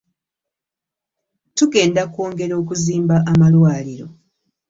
Tugenda kwongera okuzimba amalwaliro.